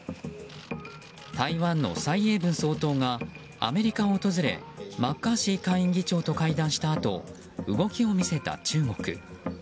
台湾の蔡英文総統がアメリカを訪れマッカーシー下院議長と会談したあと、動きを見せた中国。